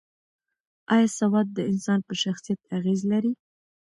ایا سواد د انسان په شخصیت اغېز لري؟